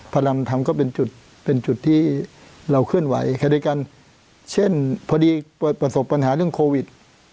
พระรำทำก็เป็นจุดเป็นจุดที่เราเคลื่อนไหวแค่ด้วยกันเช่นพอดีประสบปัญหาเรื่องโควิด